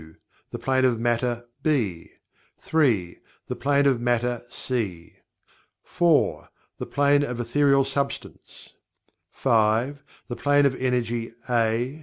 The Plane of Matter (B) 3. The Plane of Matter (C) 4. The Plane of Ethereal Substance 5. The Plane of Energy (A) 6.